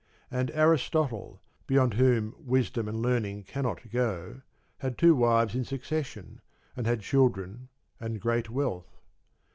And Aristotle, beyond whom wisdom and learning cannot go, had two wives in succession, and had children and great wealth.